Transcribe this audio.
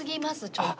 ちょっと。